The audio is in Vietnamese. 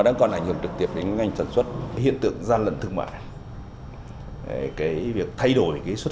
đang còn ảnh hưởng trực tiếp đến ngành sản xuất hiện tượng gian lận thương mại cái việc thay đổi cái xuất